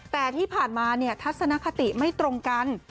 แต่ที่ผ่านมาทัศนคติไม่ตรงกัน